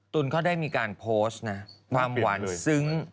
ตุ้นเขาได้มีการโพสต์นะความหวานซึ้ง